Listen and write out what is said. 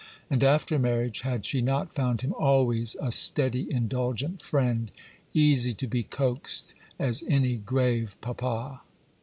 and after marriage had she not found him always a steady, indulgent friend, easy to be coaxed as any grave papa?